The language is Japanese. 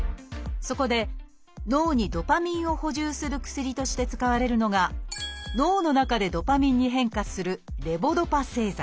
そこで脳にドパミンを補充する薬として使われるのが脳の中でドパミンに変化する「レボドパ製剤」。